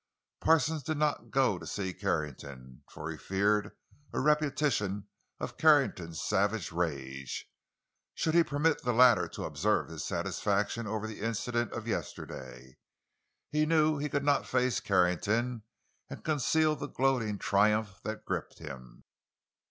Parsons did not go to see Carrington, for he feared a repetition of Carrington's savage rage, should he permit the latter to observe his satisfaction over the incident of yesterday. He knew he could not face Carrington and conceal the gloating triumph that gripped him.